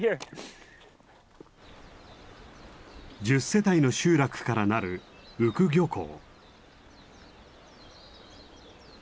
１０世帯の集落からなる宇久漁港。